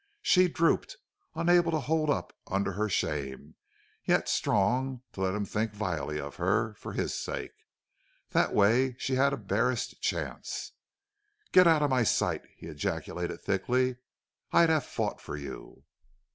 She drooped, unable to hold up under her shame, yet strong to let him think vilely of her, for his sake. That way she had a barest chance. "Get out of my sight!" he ejaculated, thickly. "I'd have fought for you."